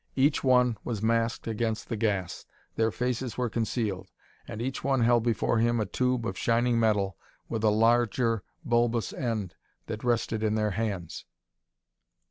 Each one was masked against the gas; their faces were concealed; and each one held before him a tube of shining metal with a larger bulbous end that rested in their hands.